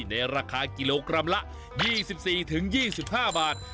ในราคากิโลกรัมละ๒๔๒๕บาท